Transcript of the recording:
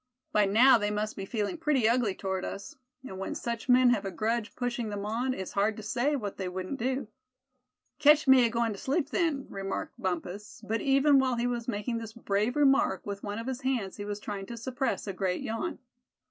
By now they must be feeling pretty ugly toward us; and when such men have a grudge pushing them on, it's hard to say what they wouldn't do." "Ketch me agoin' to sleep then," remarked Bumpus; but even while he was making this brave remark, with one of his hands he was trying to suppress a great yawn.